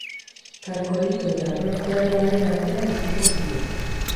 Kalkolito eta Brontze Aroaren artean biziko ziren.